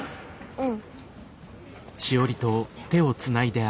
うん。